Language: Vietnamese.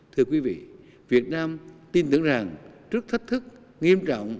thưa quý vị việt nam tin tưởng rằng trước thách thức nghiêm trọng